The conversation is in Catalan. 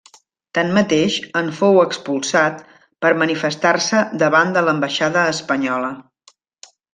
Tanmateix, en fou expulsat per manifestar-se davant de l'ambaixada espanyola.